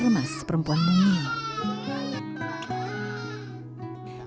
remas perempuan mungil